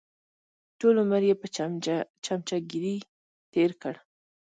ټول عمر یې په چمچهګیري تېر کړ.